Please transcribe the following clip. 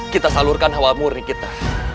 kita salurkan hawa murni kita